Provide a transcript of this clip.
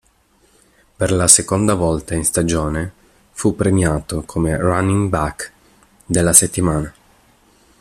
Per la seconda volta in stagione fu premiato come running back della settimana.